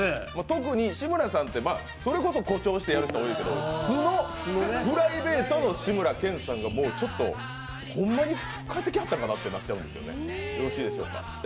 特に志村さんって、それこそ誇張してやる人多いけど、素のプライベートの志村けんさんが、ちょっと、ほんまに帰ってきはったんかなって思っちゃいました。